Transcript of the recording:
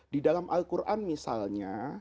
di dalam al quran misalnya